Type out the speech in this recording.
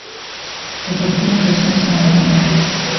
E por fin descansa Maradona.